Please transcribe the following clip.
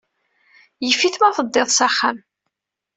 Yif-it ma teddiḍ s axxam.